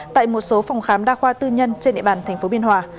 tại một số phòng khám đa khoa tư nhân trên địa bàn tp biên hòa